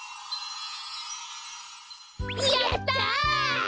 やった！